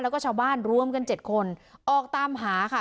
แล้วก็ชาวบ้านรวมกัน๗คนออกตามหาค่ะ